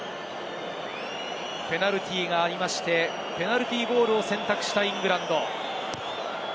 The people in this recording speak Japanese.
ペナルティーがありまして、ペナルティーゴールを選択したイングランド。